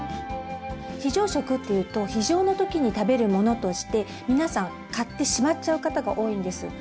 非常食っていうと非常の時に食べるものとして皆さん買ってしまっちゃう方が多いんです。